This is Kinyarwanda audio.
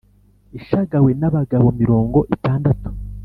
ishagawe n’abagabo mirongo itandatu